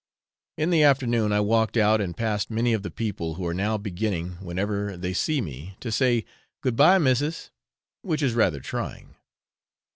In the afternoon I walked out, and passed many of the people, who are now beginning, whenever they see me, to say, 'Good bye, missis!' which is rather trying.